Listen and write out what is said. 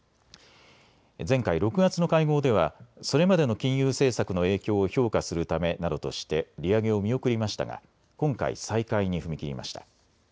前回６月の会合ではそれまでの金融政策の影響を評価するためなどとして利上げを見送りましたが今回、再開に踏み切りました。